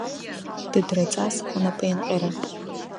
Дыдраҵас анапеинҟьара.